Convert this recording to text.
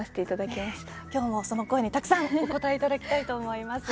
きょうも、その声にたくさんお答えただきたいと思います。